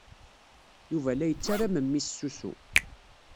Yuba la yettarra memmi-s s usu.